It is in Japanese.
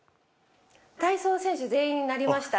体操選手全員なりました。